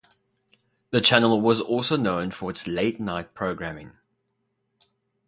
The channel was also known for its late night programming.